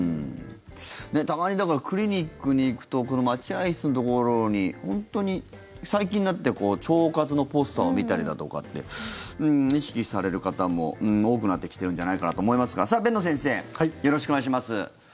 たまにクリニックに行くと待合室のところに本当に最近になって腸活のポスターを見たりだとかって意識される方も多くなってきてるんじゃないかなと思いますがさあ、辨野先生よろしくお願いします。